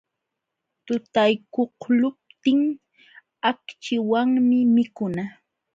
Tutaykuqluptin akchiwanmi mikuna.